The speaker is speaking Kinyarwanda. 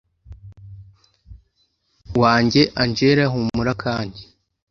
wanjye angella humura kandi